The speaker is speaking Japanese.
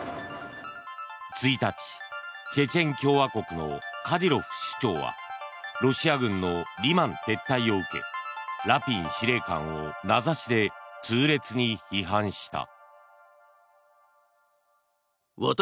１日、チェチェン共和国のカディロフ首長はロシア軍のリマン撤退を受けラピン司令官を名指しで痛烈に批判した。